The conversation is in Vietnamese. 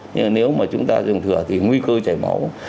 nhưng mà nếu mà chúng ta dùng thừa thì nguy cơ chảy máu